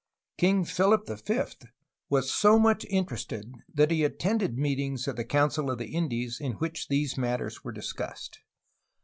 King Philip V was so much interested that he attended meetings of the Council of the Indies in which these matters were discussed.